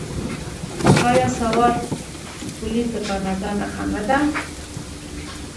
آیا سوار پولیس د کاناډا نښه نه ده؟